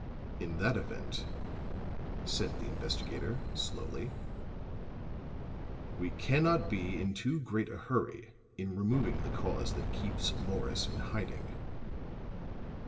"In that event," said the investigator slowly, "we can not be in too great a hurry in removing the cause that keeps Morris in hiding."